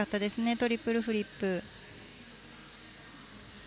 トリプルフリップ。